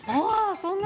そんなに？